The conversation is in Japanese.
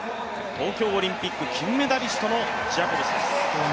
東京オリンピック金メダリストのジェイコブスです。